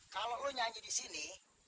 kalau lo nyanyi di sini